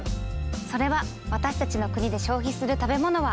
それは私たちの国で消費する食べ物は。